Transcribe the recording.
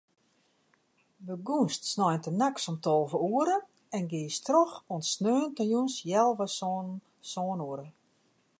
Begûnst sneintenachts om tolve oere en giest troch oant sneontejûns healwei sânen, sân oere.